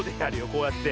こうやって。